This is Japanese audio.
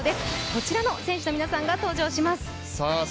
こちらの選手の皆さんが登場します。